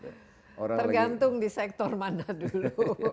tergantung di sektor mana dulu